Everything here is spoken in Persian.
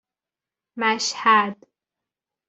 مشهد